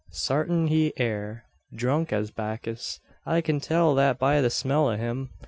Sartin he air drunk as Backis. I kin tell that by the smell o' him.